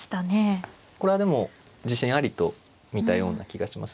これはでも自信ありと見たような気がします。